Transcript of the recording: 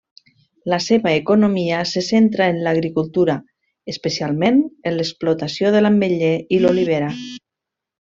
La seva economia se centra en l'agricultura, especialment en l'explotació de l'ametller i l'olivera.